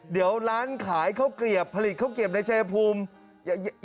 เดี๋ยวร้านขายข้าวเกลียบผลิตข้าวเกียบในชายภูมิ